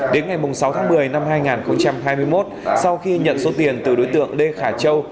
đến ngày sáu tháng một mươi năm hai nghìn hai mươi một sau khi nhận số tiền từ đối tượng lê khả châu